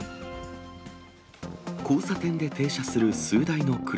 交差点で停車する数台の車。